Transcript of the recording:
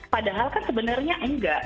padahal kan sebenarnya enggak